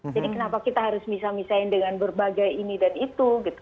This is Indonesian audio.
jadi kenapa kita harus misah misahin dengan berbagai ini dan itu gitu